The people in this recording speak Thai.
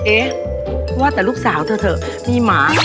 เอ๊ว่าแต่ลูกสาวเถอะมีหมา